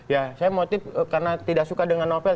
ya saya motif karena tidak suka dengan novel